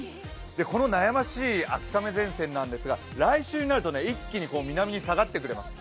この悩ましい秋雨前線なんですが来週になると一気に南に下がってくれます。